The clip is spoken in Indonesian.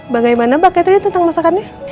bagaimana mbak catering tentang masakannya